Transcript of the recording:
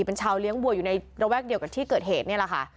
เป็นชาวเลี้ยงวัวอยู่ในระแวกเดียวกับที่เกิดเหตุนี่แหละค่ะ